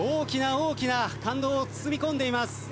大きな感動を包み込んでいます。